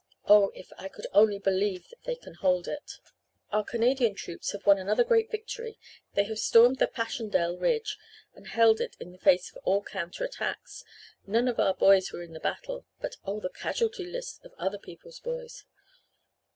"Oh, if I could only believe that they can hold it! "Our Canadian troops have won another great victory they have stormed the Passchendaele Ridge and held it in the face of all counter attacks. None of our boys were in the battle but oh, the casualty list of other people's boys!